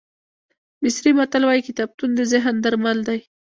مصري متل وایي کتابتون د ذهن درمل دی.